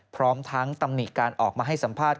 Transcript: พร้อมทั้งตำหนิการออกมาให้สัมภาษณ